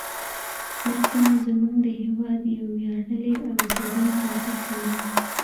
دا سیمه زموږ د هیواد یو ویاړلی او زرین تاریخ لري